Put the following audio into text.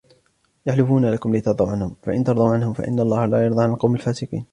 يحلفون لكم لترضوا عنهم فإن ترضوا عنهم فإن الله لا يرضى عن القوم الفاسقين